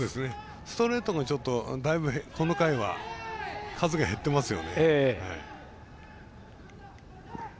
ストレートもちょっとだいぶこの回は数が減ってますよね。